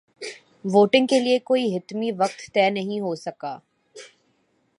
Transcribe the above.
voting کے لیے کوئی حتمی وقت طے نہیں ہو سکا